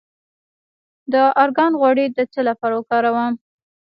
د ارګان غوړي د څه لپاره وکاروم؟